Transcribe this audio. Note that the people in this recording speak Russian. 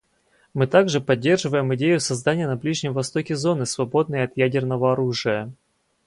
Мы также поддерживаем идею создания на Ближнем Востоке зоны, свободной от ядерного оружия.